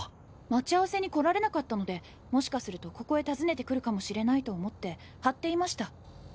待ち合わせに来られなかったのでもしかするとここへ訪ねてくるかもしれないと思って張っていました。